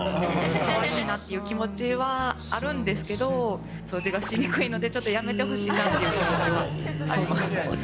かわいいなっていう気持ちはあるんですけど、掃除がしにくいので、ちょっとやめてほしいなっていう気持ちはあります。